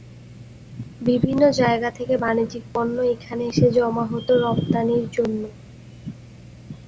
বিভিন্ন জায়গা থেকে বাণিজ্যিক পণ্য এখানে এসে জমা হতো রপ্তানির জন্য।